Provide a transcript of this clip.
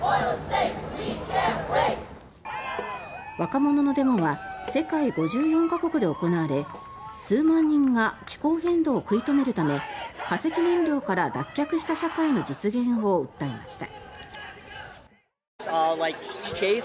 若者のデモは世界５４か国で行われ数万人が気候変動を食い止めるため化石燃料から脱却した社会の実現を訴えました。